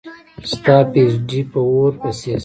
ستا پي ایچ ډي په اوور پسي شه